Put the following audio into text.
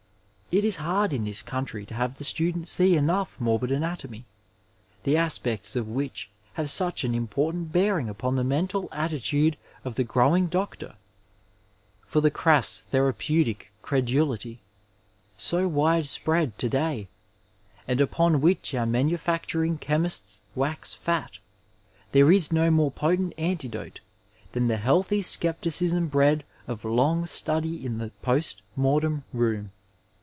It is hard in this country to have the student see enough morbid anatomy, the aspects of which have such an important bearing upon the mental attitude of the growing doctor. For the crass therapeutic credulity, so widespread to day, and upon which 354 Digitized by Google OF THE MEDICAL SOCIETY OUT manafacttuing chemists wax fat, there is no moie potent antidote than the healthy scepticism bied of long study in the post mortem room.